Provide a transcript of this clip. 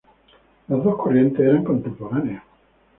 Las dos corrientes eran contemporáneas.